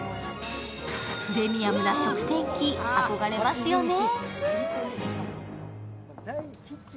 プレミアムな食洗機、憧れますよね